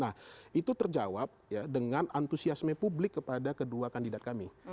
nah itu terjawab ya dengan antusiasme publik kepada kedua kandidat kami